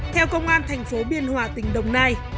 theo công an thành phố biên hòa tỉnh đồng nai